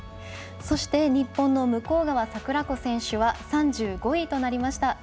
そして日本の向川桜子選手は３５位となりました。